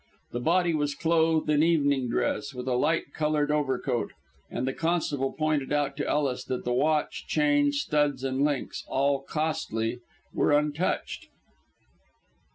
The body was clothed in evening dress, with a light coloured overcoat, and the constable pointed out to Ellis that the watch, chain, studs and links all costly were untouched.